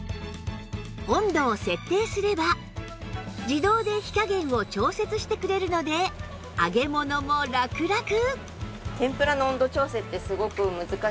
温度を設定すれば自動で火加減を調節してくれるので揚げ物もラクラク！